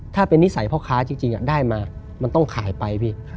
ถ้าเป็นนิสัยพ่อค้าจริงได้มามันต้องขายไปพี่